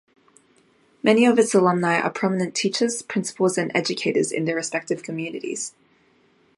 Many of its alumni are prominent teachers, principals and educators in their respective communities.